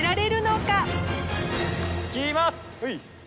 はい。